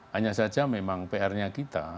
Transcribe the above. hanya saja memang pr nya kita